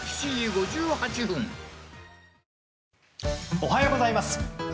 おはようございます。